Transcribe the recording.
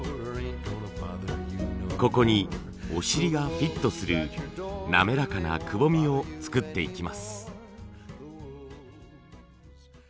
ここにお尻がフィットする滑らかなくぼみを作っていきます。